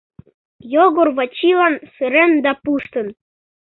Йогор Вачилан сырен да пуштын...